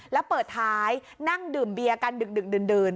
แล้วเปิดท้ายนั่งดื่มเบียร์กันดึกดื่น